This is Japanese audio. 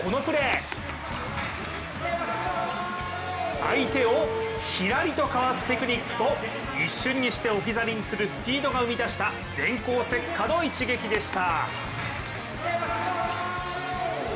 相手をひらりとかわすテクニックと一瞬にして置き去りにするスピードが生み出した電光石火の一撃でした。